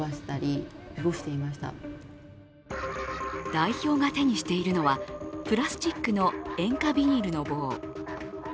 代表が手にしているのはプラスチックの塩化ビニルの棒。